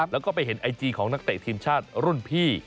แล้วก็ไปเห็นไอจีของนักเตะทีมชาติรุ่นพี่